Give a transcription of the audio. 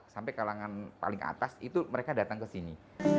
sampai kalangan paling atas itu mereka datang ke sini